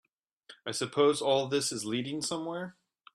I suppose all this is leading somewhere?